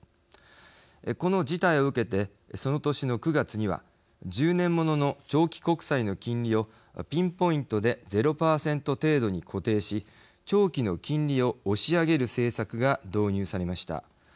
この事態を受けてその年の９月には１０年ものの長期国債の金利をピンポイントで０％程度に固定し長期の金利を押し上げる政策が導入されました。